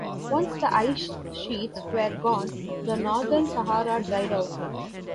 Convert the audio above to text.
Once the ice sheets were gone, the northern Sahara dried out.